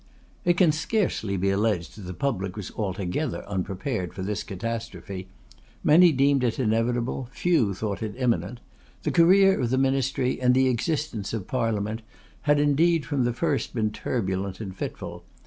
It can scarcely be alleged that the public was altogether unprepared for this catastrophe. Many deemed it inevitable; few thought it imminent. The career of the Ministry, and the existence of the Parliament, had indeed from the first been turbulent and fitful.